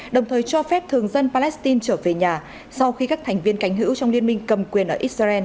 đồng thời cho phép thường dân palestine trở về nhà sau khi các thành viên cánh hữu trong liên minh cầm quyền ở israel